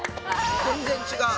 全然違う。